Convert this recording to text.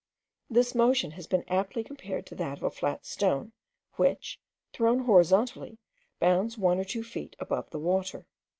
This motion has been aptly compared to that of a flat stone, which, thrown horizontally, bounds one or two feet above the water.